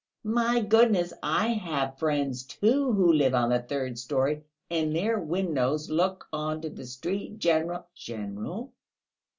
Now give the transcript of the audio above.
"My goodness, I have friends too, who live on the third storey, and their windows look on to the street.... General...." "General!"